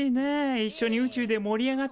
一緒に宇宙で盛り上がってたころが。